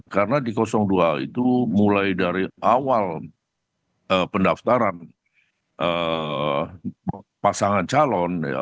karena di dua itu mulai dari awal pendaftaran pasangan calon